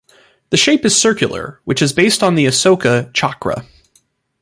The shape is circular, which is based on the Ashoka Chakra.